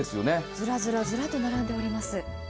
ずらずらずらと並んでおります。